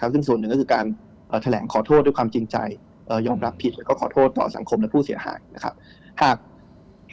ซึ่งส่วนหนึ่งก็คือการแถลงขอโทษด้วยความจริงใจยอมรับผิดแล้วก็ขอโทษต่อสังคมและผู้เสียหายนะครับ